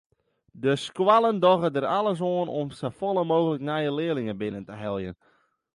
De skoallen dogge der alles oan om safolle mooglik nije learlingen binnen te heljen.